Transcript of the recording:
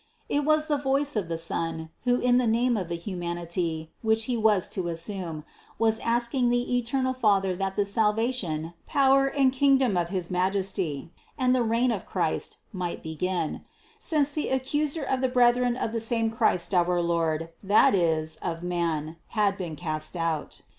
It was the voice of the Son, who in the name of the humanity, which He was to assume, was asking the eternal Father that the salvation, power and kingdom of his Majesty, and the reign of Christ might begin; since the accuser of the brethren of the same Christ our Lord, that is, of man, had been cast out.